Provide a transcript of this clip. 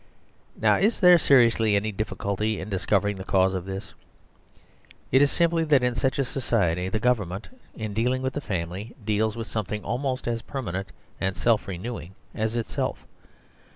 Nor is there seriously any difficulty in discovering the cause of this. It is simply that in such a society the government, in dealing with the family, deals with something almost as per manent and self renewing as itself.